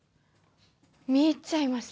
見入っちゃいました。